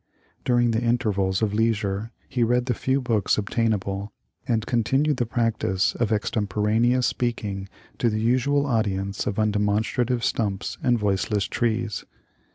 During the intervals of leisure he read the few books obtain able, and continued the practice of extemporaneous speaking to the usual audience of undemonstrative stumps and voiceless trees.